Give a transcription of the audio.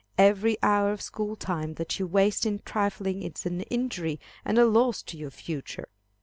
Every hour of school time that you waste in trifling is an injury and a loss to your future.